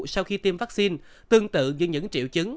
sau khi tiêm vaccine tương tự như những triệu chứng